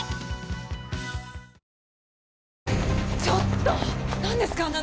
ちょっと何ですか？